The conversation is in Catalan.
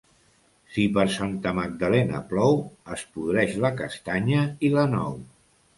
Si per Santa Magdalena plou, es podreix la castanya i la nou.